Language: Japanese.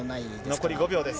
残り５秒です。